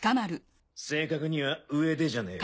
正確には上でじゃねえ。